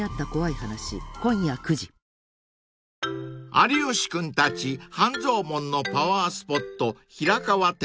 ［有吉君たち半蔵門のパワースポット］